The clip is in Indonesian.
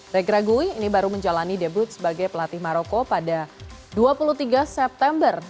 regrague ini baru menjalani debut sebagai pelatih maroko pada dua puluh tiga september